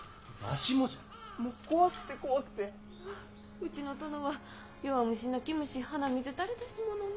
うちの殿は弱虫泣き虫鼻水垂れですものね。